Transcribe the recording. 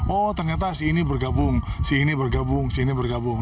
oh ternyata si ini bergabung si ini bergabung si ini bergabung